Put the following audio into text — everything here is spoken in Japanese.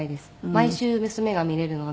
毎週娘が見れるので。